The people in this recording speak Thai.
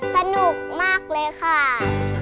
สนุกมากเลยค่ะ